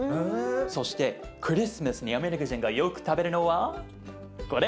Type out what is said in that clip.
そしてクリスマスにアメリカ人がよく食べるのはこれ。